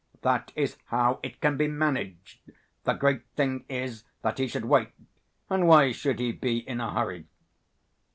That is how it can be managed. The great thing is that he should wait; and why should he be in a hurry?"